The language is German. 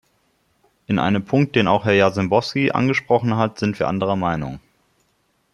In einem Punkt, den auch Herr Jarzembowski angesprochen hat, sind wir anderer Meinung.